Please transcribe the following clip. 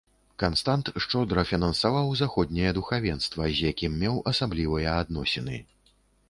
Канстант шчодра фінансаваў заходняе духавенства, з якім меў асаблівыя адносіны.